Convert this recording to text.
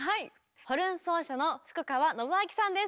ホルン奏者の福川伸陽さんです。